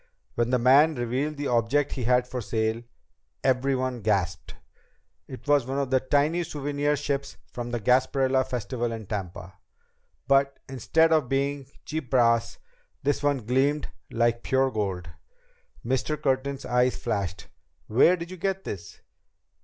When the man revealed the object he had for sale, everyone gasped. It was one of the tiny souvenir ships from the Gasparilla Festival in Tampa. But instead of being cheap brass, this one gleamed like pure gold. Mr. Curtin's eyes flashed. "Where did you get this?"